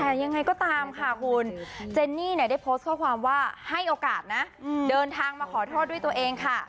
แต่ยังไงก็ตามค่ะคุณเจนนี่เนี่ยได้โพสต์ข้อความว่าให้โอกาสนะเดินทางมาขอโทษด้วยตัวเองค่ะ